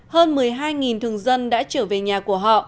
hơn một mươi hai thường dân đã trở về nhà của họ